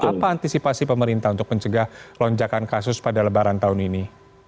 apa antisipasi pemerintah untuk mencegah lonjakan kasus pada lebaran tahun ini